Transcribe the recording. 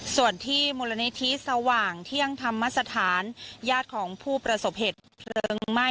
ส่วนที่มูลนิธิสว่างเที่ยงธรรมสถานญาติของผู้ประสบเหตุเพลิงไหม้